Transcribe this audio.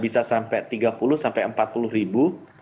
bisa sampai tiga puluh sampai empat puluh ribu